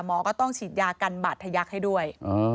หมอก็ต้องฉีดยากันบาดทะยักษ์ให้ด้วย